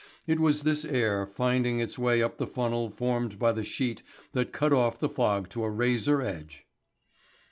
It was this air finding its way up the funnel formed by the sheet that cut off the fog to a razor edge.